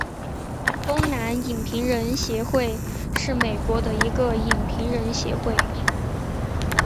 东南影评人协会是美国的一个影评人协会。